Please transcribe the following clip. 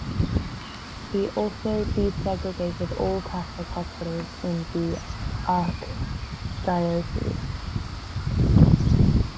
He also desegregated all Catholic hospitals in the archdiocese.